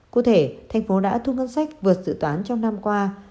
cụ thể thành phố đã thu ngân sách vượt dự toán trong năm qua